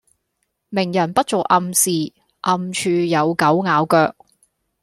明人不做暗事，暗處有狗咬腳